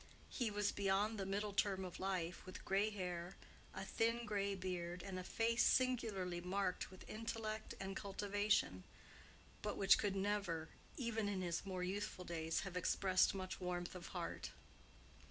He was beyond the middle term of life, with gray hair, a thin, gray beard, and a face singularly marked with intellect and cultivation, but which could never, even in his more youthful days, have expressed much warmth of heart.